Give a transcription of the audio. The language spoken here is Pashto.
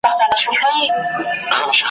نه د کشر ورور په جېب کي درې غیرانه ,